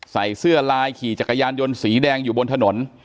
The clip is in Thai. ใส่เสื้อลายขี่จักรยานยนต์สีแดงอยู่บนถนน